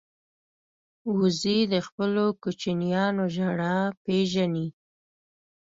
وزې د خپلو کوچنیانو ژړا پېژني